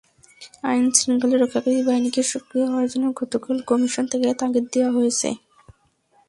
আইনশৃঙ্খলা রক্ষাকারী বাহিনীকে সক্রিয় হওয়ার জন্য গতকালও কমিশন থেকে তাগিদ দেওয়া হয়েছে।